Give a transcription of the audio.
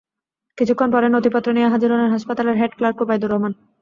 কিছুক্ষণ পরেই নথিপত্র নিয়ে হাজির হলেন হাসপাতালের হেড ক্লার্ক ওবায়দুর রহমান।